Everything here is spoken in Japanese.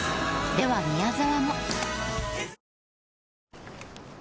では宮沢も。